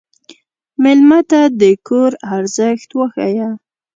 مېلمه ته د کور ارزښت وښیه.